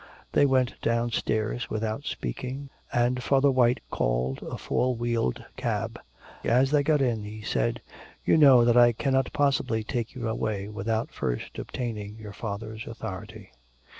They went downstairs without speaking, and Father White called a four wheeled cab. As they got in he said: 'You know that I cannot possibly take you away without first obtaining your father's authority.'